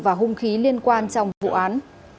và hung khí liên quan trong vụ án